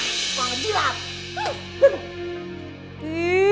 bukan hasil ngejilat